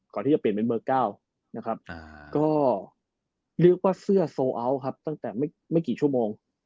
ก่อนที่จะเปลี่ยนเป็นเบอร์๙นะครับก็เรียกว่าเสื้อโซอัลครับตั้งแต่ไม่กี่ชั่วโมง